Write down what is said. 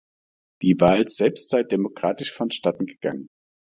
Die Wahl selbst sei demokratisch vonstatten gegangen.